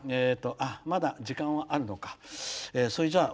まだ時間はあるのか。